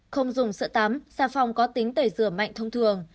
không dùng sợ tắm xà phòng có tính tẩy rửa mạnh thông thường